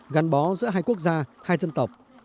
gắn bó giữa hai quốc gia hai dân tộc